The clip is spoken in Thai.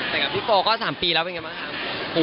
แต่งกับพี่โปก็๓ปีแล้วเป็นไงบ้างครับ